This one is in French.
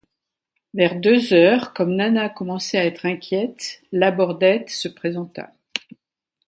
Vers deux heures, comme Nana commençait à être inquiète, Labordette se présenta.